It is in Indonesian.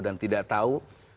dan tidak tahu